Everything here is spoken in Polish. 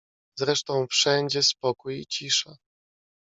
"Zresztą wszędzie spokój i cisza."